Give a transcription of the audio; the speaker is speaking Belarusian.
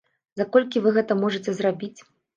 За колькі вы гэта можаце зрабіць?